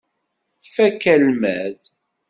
Fakk almad.